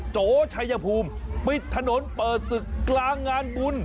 โจชัยภูมิปิดถนนเปิดศึกกลางงานบุญ